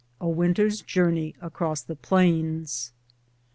A WINTER'S JOURNEY ACROSS THE PLAINS.